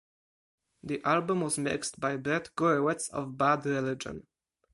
The album was mixed by Brett Gurewitz of Bad Religion.